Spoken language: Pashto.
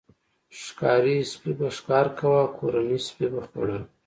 ښکاري سپي به ښکار کاوه او کورني سپي به خوړل.